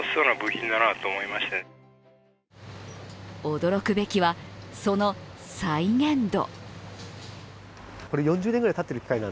驚くべきは、その再現度。